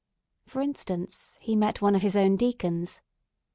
For instance, he met one of his own deacons.